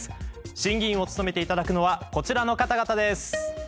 審議員を務めていただくのはこちらの方々です。